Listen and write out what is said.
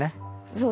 そう。